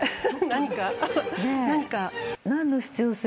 何か。